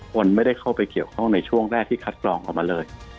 คนไม่ได้เข้าไปเกี่ยวข้องในช่วงแรกที่คัดกรองออกมาเลย